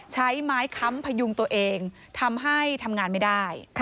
ใช้ไม้ค้ำพยุงตัวเองทำให้ทำงานไม่ได้